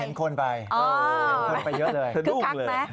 เห็นคนไปเยอะเลย